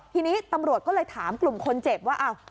ทีนี้ตำรวจก็เลยถามกลุ่มคนเจ็บว่า